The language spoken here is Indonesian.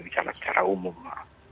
secara umum mbak